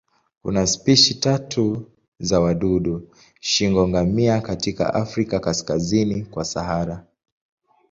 Kuna spishi tatu tu za wadudu shingo-ngamia katika Afrika kaskazini kwa Sahara.